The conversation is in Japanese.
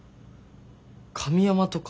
神山とか。